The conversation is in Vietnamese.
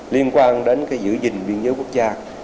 liên quan đến giữ gìn biên giới quốc gia